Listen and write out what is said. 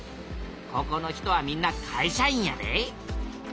ここの人はみんな会社員やで。